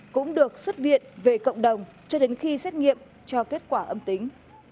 cũng được xuất viện về cộng đồng cho đến khi xét nghiệm cho kết quả âm tính